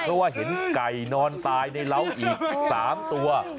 เพราะว่าเห็นไก่นอนตายในเล้าอีก๓ตัว